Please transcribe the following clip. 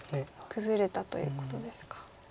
崩れたということですか。